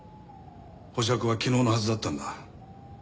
保釈は昨日のはずだったんだ。